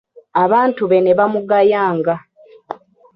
Abantu be ne bamugayanga.